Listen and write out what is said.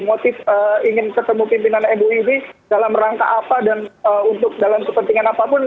motif ingin ketemu pimpinan mui ini dalam rangka apa dan untuk dalam kepentingan apapun